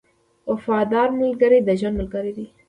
• وفادار ملګری د ژوند ملګری دی.